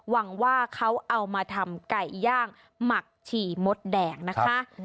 หวังว่าเขาเอามาทำไก่ย่างหมักฉี่มดแดงนะคะ